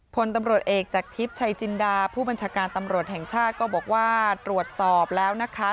พลตำรวจเอกจากทิพย์ชัยจินดาผู้บัญชาการตำรวจแห่งชาติก็บอกว่าตรวจสอบแล้วนะคะ